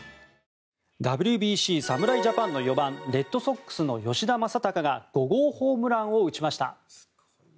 ＷＢＣ侍ジャパンの４番レッドソックスの吉田正尚が５号ホームランを打ちました。